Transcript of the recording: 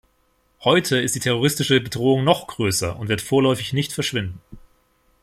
Heute ist die terroristische Bedrohung noch größer und wird vorläufig nicht verschwinden.